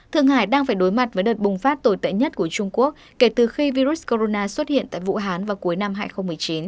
thượng hải đang phải đối mặt với đợt bùng phát tồi tệ nhất của trung quốc kể từ khi virus corona xuất hiện tại vũ hán vào cuối năm hai nghìn một mươi chín